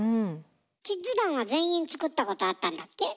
キッズ団は全員作ったことあったんだっけ？